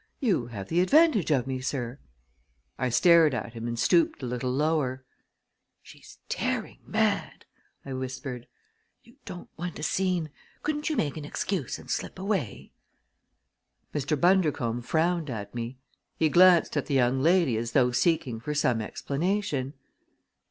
You have the advantage of me, sir!" I stared at him and stooped a little lower. "She's tearing mad!" I whispered. "You don't want a scene. Couldn't you make an excuse and slip away?" Mr. Bundercombe frowned at me. He glanced at the young lady as though seeking for some explanation.